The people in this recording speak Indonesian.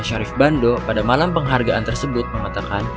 syarif bando pada malam penghargaan tersebut mengatakan